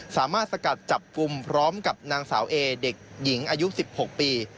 สกัดจับกลุ่มพร้อมกับนางสาวเอเด็กหญิงอายุ๑๖ปี